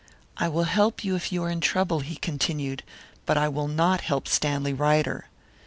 "I will help you if you are in trouble," he continued; "but I will not help Stanley Ryder.